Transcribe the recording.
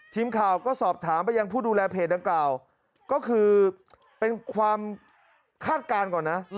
ทีมข่าวก็สอบถามไปยังผู้ดูแลเพจดังกล่าวก็คือเป็นความคาดการณ์ก่อนนะ